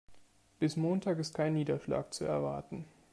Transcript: Bis Montag ist kein Niederschlag zu erwarten.